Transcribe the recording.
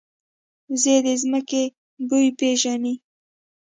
وزې د ځمکې بوی پېژني